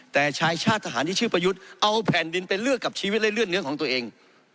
แต่ชายชาติทหารที่ชื่อประยุทธ์เอาแผ่นดินไปเลือกกับชีวิตและเลือดเนื้อของตัวเอง